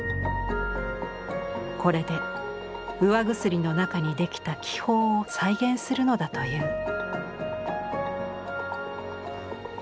これで釉薬の中にできた気泡を再現するのだという。